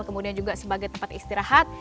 kemudian juga sebagai tempat istirahat